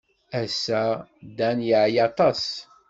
Ass-a, Dan yeɛya aṭas.